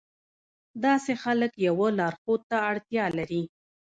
داسې خلک يوه لارښود ته اړتيا لري.